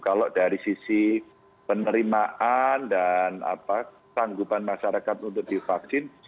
kalau dari sisi penerimaan dan tanggupan masyarakat untuk divaksin